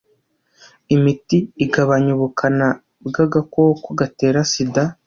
imiti igabanya ubukana bw aagakoko gatera sida